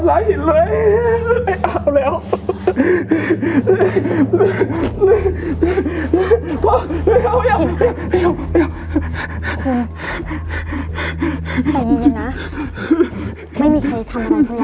หินหินหินแกะโซ่ได้มั้ยคะ